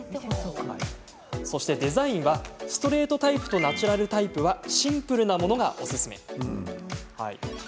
そして、デザインはストレートタイプとナチュラルタイプはシンプルなものがおすすめ。